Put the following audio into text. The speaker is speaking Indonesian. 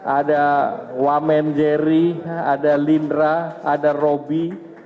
ada wamen jerry ada lindra ada robby